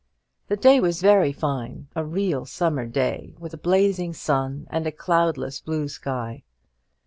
The day was very fine, a real summer day, with a blazing sun and a cloudless blue sky.